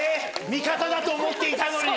味方だと思っていたのに。